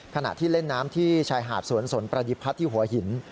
ขณะที่เล่นน้ำที่ชายหาดสวนสนประดิพัฒน์ที่หัวหิน